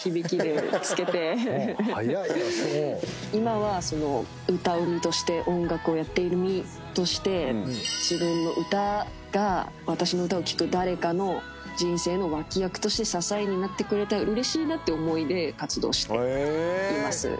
今は歌う身として音楽をやっている身として自分の歌が私の歌を聴く誰かの人生の脇役として支えになってくれたらうれしいなって思いで活動しています。